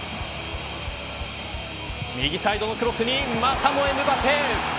右サイドのクロスにまたもエムバペ。